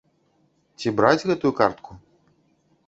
Ці браць гэту картку?